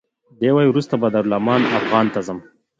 دی وایي وروسته به دارالایمان افغان ته ځم.